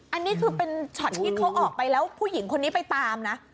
อันนี้คือเป็นช็อตที่เขาออกไปแล้วผู้หญิงคนนี้ไปตามนะ